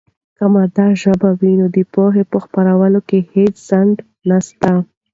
که مادي ژبه وي، نو د پوهې په خپرولو کې هېڅ خنډ نسته.